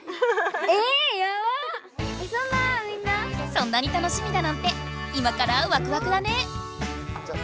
そんなに楽しみだなんて今からワクワクだね！